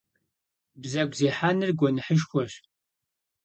Бзэгу зехьэныр гуэныхьышхуэщ.